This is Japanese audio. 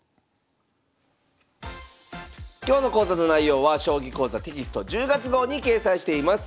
今日の講座の内容は「将棋講座」テキスト１０月号に掲載しています。